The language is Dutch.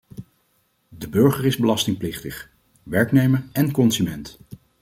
De burger is belastingplichtig, werknemer en consument.